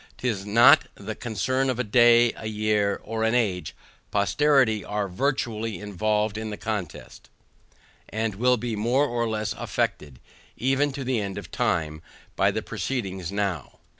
'Tis not the concern of a day, a year, or an age; posterity are virtually involved in the contest, and will be more or less affected, even to the end of time, by the proceedings now.